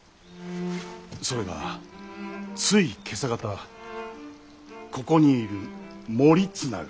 それがつい今朝方ここにいる守綱が。